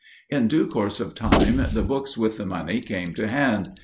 In due course of time the books with the money came to hand.